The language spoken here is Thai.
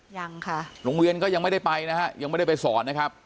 ยังค่ะโรงเรียนก็ยังไม่ได้ไปนะฮะยังไม่ได้ไปสอนนะครับ